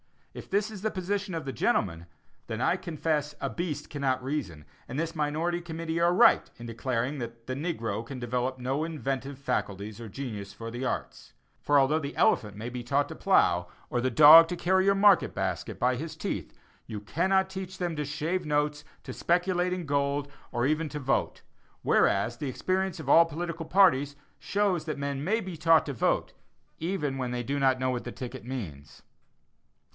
If this is the position of the gentlemen, then I confess a beast cannot reason, and this minority committee are right in declaring that "the negro can develop no inventive faculties or genius for the arts." For although the elephant may be taught to plow, or the dog to carry your market basket by his teeth, you cannot teach them to shave notes, to speculate in gold, or even to vote; whereas, the experience of all political parties shows that men may be taught to vote, even when they do not know what the ticket means.